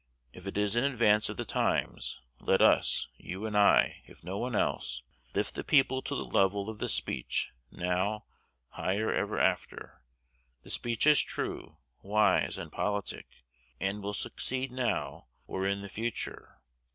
If it is in advance of the times, let us you and I, if no one else lift the people to the level of this speech now, higher hereafter. The speech is true, wise, and politic, and will succeed now or in the future.